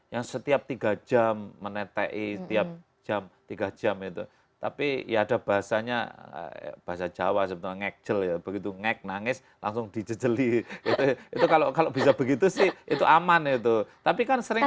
yang setiap tiga jam meneteki setiap jam tiga jam itu tapi ya ada bahasanya bahasa jawa sebenarnya ngek jel begitu ngek nangis langsung dijel jeli itu kalau bisa begitu sih itu aman itu tapi kan sering ada